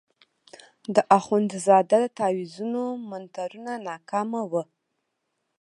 د اخندزاده د تاویزونو منترونه ناکامه وو.